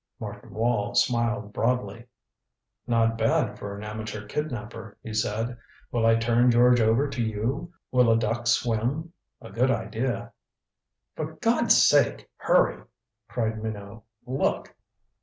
Martin Wall smiled broadly. "Not bad for an amateur kidnaper," he said. "Will I turn George over to you? Will a duck swim? A good idea." "For God's sake, hurry!" cried Minot. "Look!"